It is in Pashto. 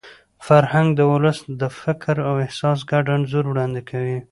فرهنګ د ولس د فکر او احساس ګډ انځور وړاندې کوي.